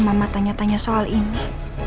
ngapain sih mama tanya tanya soal ini